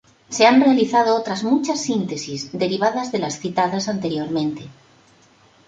Se han realizado otras muchas síntesis derivadas de las citadas anteriormente.